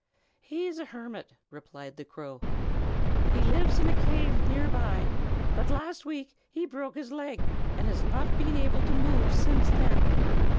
"He is a hermit," replied the crow. "He lives in a cave near by; but last week he broke his leg, and has not been able to move since then.